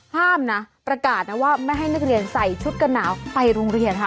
ห้ามนะประกาศนะว่าไม่ให้นักเรียนใส่ชุดกันหนาวไปโรงเรียนค่ะ